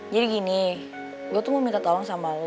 jadi gini gue tuh mau minta tolong sama lo